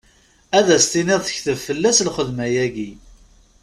Ad as-tiniḍ tekteb fell-as lxedma-ayi.